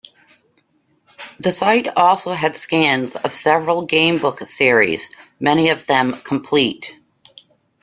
The site also had scans of several gamebook series, many of them complete.